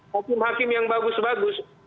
hakim hakim yang bagus bagus